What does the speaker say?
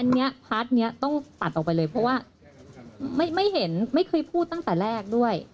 อันนี้พาร์ทนี้ต้องตัดออกไปเลยเพราะว่าไม่เห็นไม่เคยพูดตั้งแต่แรกด้วย